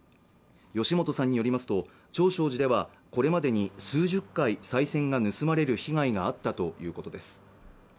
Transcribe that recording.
吉本さんによりますと長照寺ではこれまでに数十回さい銭が盗まれる被害があったということです